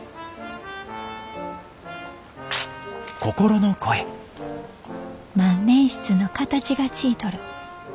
心の声万年筆の形がちいとる。